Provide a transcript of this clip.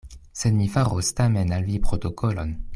Sed mi faros tamen al vi protokolon.